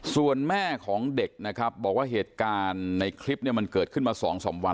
ส่วนแม่ของเด็กนะครับบอกว่าเหตุการณ์ในคลิปเนี่ยมันเกิดขึ้นมา๒๓วัน